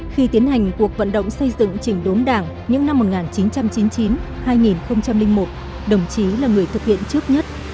khi tiến hành cuộc vận động xây dựng chỉnh đốn đảng những năm một nghìn chín trăm chín mươi chín hai nghìn một đồng chí là người thực hiện trước nhất